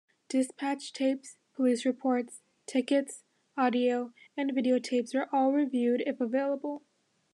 Dispatch tapes, police reports, tickets, audio, and videotapes are all reviewed if available.